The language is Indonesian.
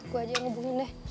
gue aja yang hubungin deh